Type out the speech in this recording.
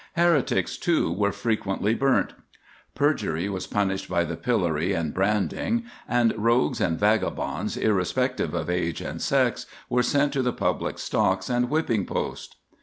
Heretics, too, were frequently burnt. Perjury was punished by the pillory and branding, and rogues and vagabonds, irrespective of age and sex, were sent to the public stocks and whipping post.